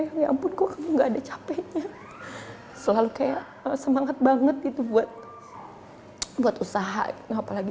ya ampun kok kamu nggak ada capeknya selalu kayak semangat banget itu buat buat usaha apalagi